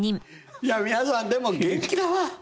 いや皆さんでも元気だわ。